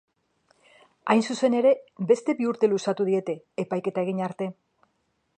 Hain zuzen ere, beste bi urte luzatu diete, epaiketa egin arte.